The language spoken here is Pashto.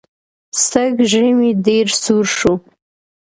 سږ ژمی ډېر سوړ شو.